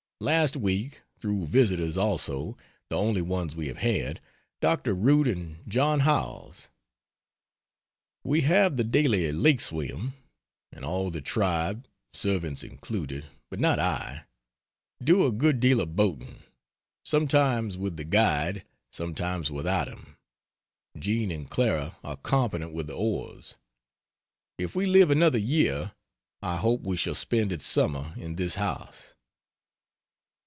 Last week through visitors also the only ones we have had Dr. Root and John Howells. We have the daily lake swim; and all the tribe, servants included (but not I) do a good deal of boating; sometimes with the guide, sometimes without him Jean and Clara are competent with the oars. If we live another year, I hope we shall spend its summer in this house.